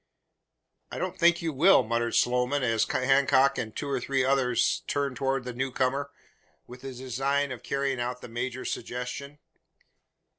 "I don't think you will," muttered Sloman, as Hancock and two or three others turned towards the new comer, with the design of carrying out the major's suggestion.